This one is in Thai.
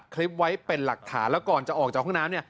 คลิปไว้เป็นหลักฐานแล้วก่อนจะออกจากห้องน้ำเนี่ย